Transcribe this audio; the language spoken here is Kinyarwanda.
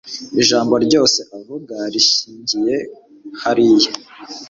ijambo ryose avuga rishingiye hariya